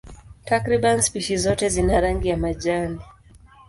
Takriban spishi zote zina rangi ya majani.